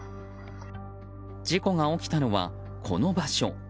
事故が起きたのは、この場所。